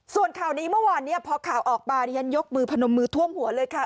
ส่วนข่าวนี้เมื่อวานเนี่ยพอข่าวออกมาดิฉันยกมือพนมมือท่วมหัวเลยค่ะ